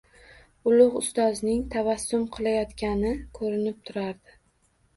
Ulug‘ Ustozning tabassum qilayotgani ko‘rinib turardi.